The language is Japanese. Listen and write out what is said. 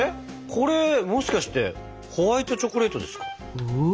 これもしかしてホワイトチョコレートですか？